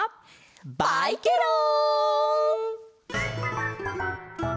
バイケロン！